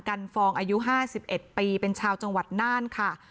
กันฟองอายุห้าสิบเอ็ดปีเป็นชาวจังหวัดน่านค่ะ